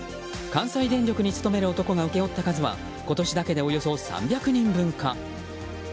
関西電力に勤める男が請け負った数は今年だけでおよそ３００人分か。